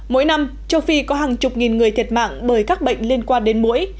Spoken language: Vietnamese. mỗi năm châu phi có hàng chục nghìn người thiệt mạng bởi các bệnh liên quan đến mũi